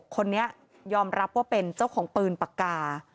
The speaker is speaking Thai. คนนี้ยอมรับว่าเป็นเจ้าของปืนปากกา